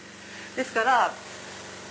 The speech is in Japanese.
ですから。